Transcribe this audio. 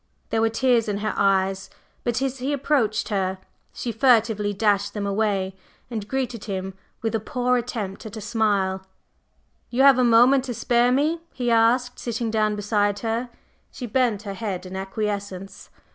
There were tears in her eyes, but as he approached her she furtively dashed them away and greeted him with a poor attempt at a smile. "You have a moment to spare me?" he asked, sitting down beside her. She bent her head in acquiescence.